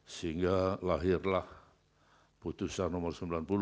sehingga lahirlah putusan nomor sembilan puluh